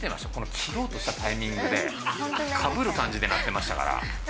切ろうとしたタイミングでかぶる感じで鳴ってましたから。